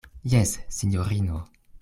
Jes, sinjorino.